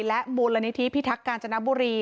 และมูลนิธิพิทักษ์กาญจนบุรี